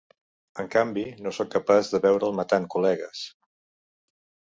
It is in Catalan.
En canvi, no soc capaç de veure'l matant col·legues.